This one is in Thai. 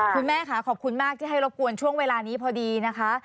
คุณแม่ค่ะขอบคุณมากที่ให้รบกวนช่วงเวลานี้พอดีนะคะ